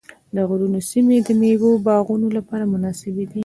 د غرونو سیمې د مېوو باغونو لپاره مناسبې دي.